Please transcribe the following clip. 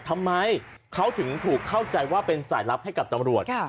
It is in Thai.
ทำไมเขาถึงถูกเข้าใจว่าเป็นสายลับให้กับตำรวจ